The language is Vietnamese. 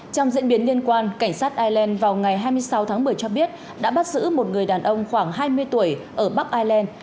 trong diễn biến liên quan cảnh sát ireland vào ngày hai mươi sáu tháng một mươi cho biết đã bắt giữ một người đàn ông khoảng hai mươi tuổi ở bắc ireland